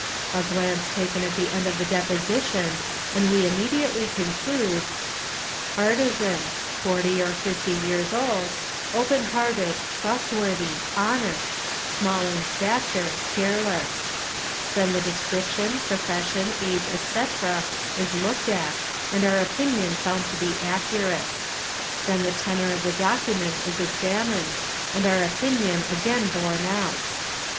<A glance — taken at the end of the deposition and we immediately conclude :—" Artisan, 40 or 50 years old, open hearted, trustworthy, honest, small in stature, careless,'': then the description, profession, age, etc., is looked at and our opinion found to be accurate. Then the tenor of — the document is examined and our opinion again borne out.